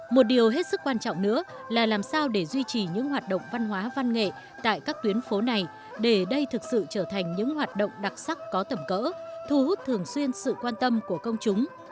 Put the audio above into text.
một điều hết sức quan trọng nữa là làm sao để duy trì những hoạt động văn hóa văn nghệ tại các tuyến phố này để đây thực sự trở thành những hoạt động đặc sắc có tầm cỡ thu hút thường xuyên sự quan tâm của công chúng